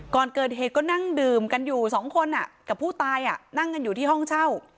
ก่อนเกิดเหตุก็นั่งดื่มกันอยู่สองคนกับผู้ตายนั่งกันอยู่ที่ห้องเช่า